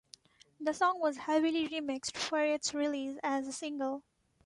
The song was heavily remixed for its release as a single.